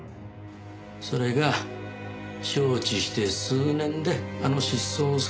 それが招致して数年であの失踪騒ぎですよ。